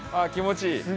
気持ちいい。